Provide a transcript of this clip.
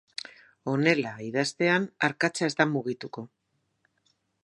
Honela, idaztean, arkatza ez da mugituko.